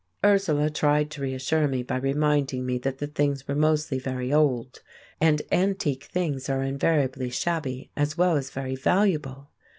Ursula tried to reassure me by reminding me that the things were mostly very old, and antique things are invariably shabby as well as very valuable.